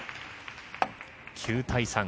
９対３。